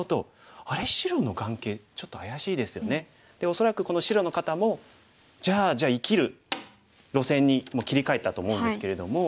恐らくこの白の方もじゃあ生きる路線に切り替えたと思うんですけれども。